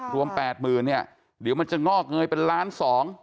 แปดหมื่นเนี่ยเดี๋ยวมันจะงอกเงยเป็นล้านสอง